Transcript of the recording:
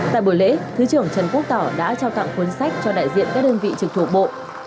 tại buổi lễ thứ trưởng trần quốc tỏ đã trao tặng cuốn sách cho đại diện các đơn vị trực thuộc bộ